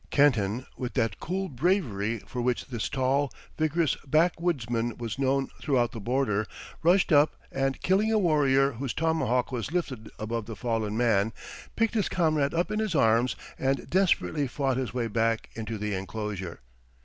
Kenton, with that cool bravery for which this tall, vigorous backwoodsman was known throughout the border, rushed up, and killing a warrior whose tomahawk was lifted above the fallen man, picked his comrade up in his arms, and desperately fought his way back into the enclosure.